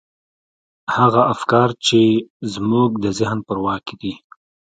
هغه افکار چې زموږ د ذهن په واک کې دي.